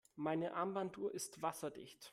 Meine Armbanduhr ist wasserdicht.